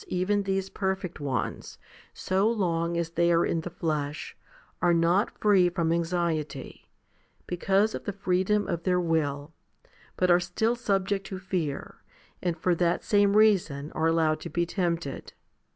HOMILY XXVI 197 even these perfect ones, so long as they are in the flesh, are not free from anxiety, because of the freedom of their will, but are still subject to fear, and for that same reason are allowed to be tempted.